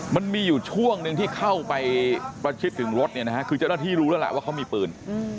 มันมีอยู่ช่วงหนึ่งที่เข้าไปประชิดถึงรถเนี่ยนะฮะคือเจ้าหน้าที่รู้แล้วล่ะว่าเขามีปืน